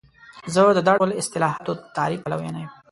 زه د دا ډول اصطلاحاتو د تعریف پلوی نه یم.